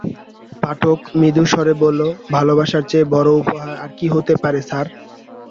পাঠক মৃদু স্বরে বলল, ভালবাসার চেয়ে বড় উপহার আর কী হতে পারে স্যার!